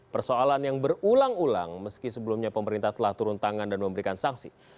persoalan yang berulang ulang meski sebelumnya pemerintah telah turun tangan dan memberikan sanksi